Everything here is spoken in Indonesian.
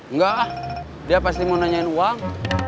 enggak ah dia pasti mau nanyain uang